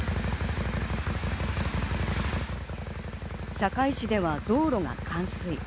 堺市では道路が冠水。